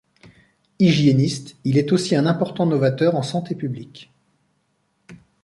Hygiéniste, il est aussi un important novateur en santé publique.